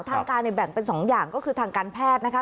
ทางการเนี่ยแบ่งเป็น๒อย่างก็คือทางการแพทย์นะคะ